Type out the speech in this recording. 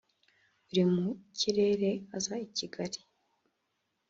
uri mu kirere aza i Kigali